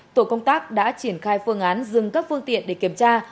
tổ công tác đã triển khai phương án dừng các phương tiện để kiểm tra